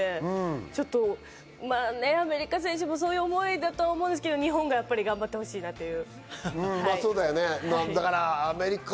アメリカ選手もそういう思いだとは思うんですけど日本が頑張ってほしいなという。